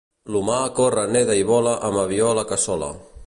L'humà corre neda i vola amb avió a la cassola